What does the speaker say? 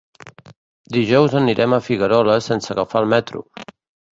Dijous anirem a Figueroles sense agafar el metro.